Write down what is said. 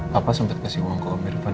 bapak sempat kasih uang ke om irfan